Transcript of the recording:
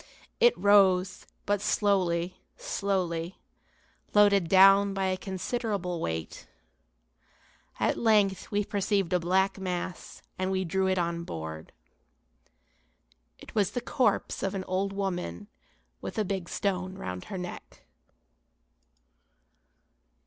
It rose, but slowly, slowly, loaded down by a considerable weight. At length we perceived a black mass and we drew it on board. It was the corpse of an old women with a big stone round her neck.